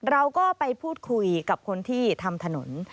เราก็ไปพูดคุยกับคนที่ทำถนน